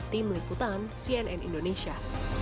tim liputan cnn indonesia